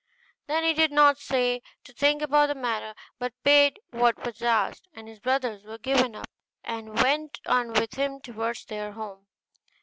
Then he did not stay to think about the matter, but paid what was asked, and his brothers were given up, and went on with him towards their home.